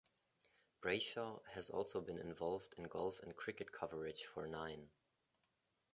Brayshaw has also been involved in golf and cricket coverage for Nine.